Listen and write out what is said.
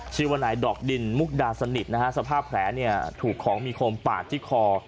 ชื่อว่านายดอกดินมุกดาสนิทนะฮะสภาพแผลเนี่ยถูกของมีคมปาดที่คอ